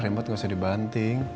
rempah tuh gak usah dibanting